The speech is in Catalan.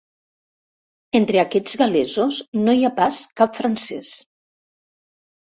Entre aquests gal·lesos no hi ha pas cap francès.